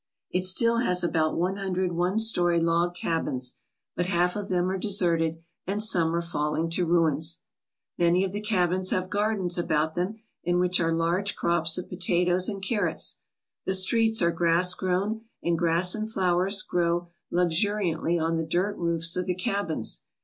It still has about one hundred one story log cabins, but half of them are deserted and some are falling to ruins. Many of the cabins have gardens about them in which are large crops of potatoes and carrots. The streets are grass grown, and grass and flowers grow luxuriantly on the dirt roofs of the cabins.